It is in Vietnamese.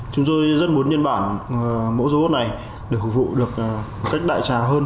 chúng tôi rất muốn nhân bản mẫu robot này được phục vụ được cách đại trà hơn